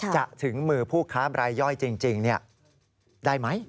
ถึงมือผู้ค้าบรายย่อยจริงได้ไหม